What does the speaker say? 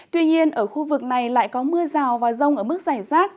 tuy nhiên ở khu vực này lại có mưa rào và rông ở mức giải rác